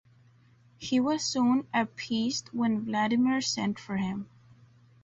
He was soon appeased when Vladimir sent for him.